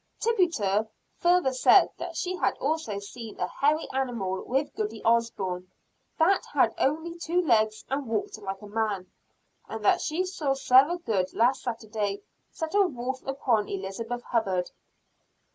"Tituba further said that she had also seen a hairy animal with Goody Osburn, that had only two legs, and walked like a man. And that she saw Sarah Good, last Saturday, set a wolf upon Elizabeth Hubbard."